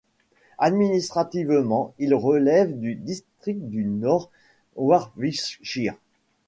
Administrativement, il relève du district du North Warwickshire.